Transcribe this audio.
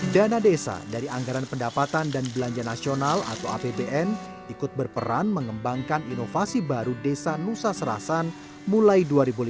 dana desa dari anggaran pendapatan dan belanja nasional atau apbn ikut berperan mengembangkan inovasi baru desa nusa serasan mulai dua ribu lima belas